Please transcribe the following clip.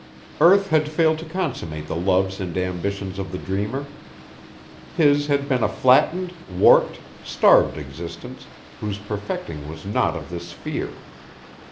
Earth had failed to consummate the loves and ambitions of the dreamer. His had been a flattened, warped, starved existence whose perfecting was not of this sphere.